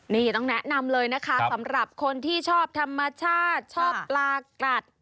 นี่ต้องแนะนำเลยนะคะสำหรับคนที่ชอบธรรมชาติชอบปลากรัด